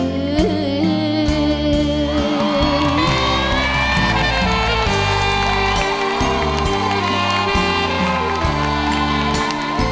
ช่วยให้ความทรงจำ